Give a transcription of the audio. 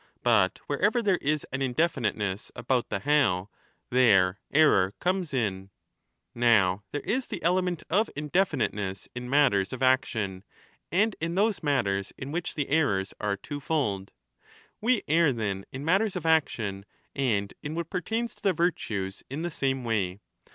But wherever there is an indefiniteness about the how, there error comes in. Now there is the element of indefiniteness in matters 25 of action, and in those matters in which the errors are two 1 8 24 = E. X. 1 1 1 2» 34 '' f) = E.E. 1 226* 33 *» 2. nSg" MAGNA MORALIA fold. We err, then, in matters of action and in what pertains to the virtues in the same way.